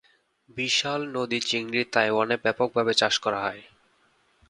বিশাল নদী চিংড়ি তাইওয়ানে ব্যাপকভাবে চাষ করা হয়।